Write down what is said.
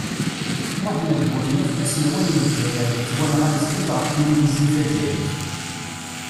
Muḥemmed Buḍyaf d aselway n lezzayer yettwanɣan srid ɣef tilivizyu tazzayrit.